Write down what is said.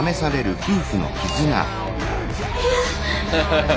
ハハハハ。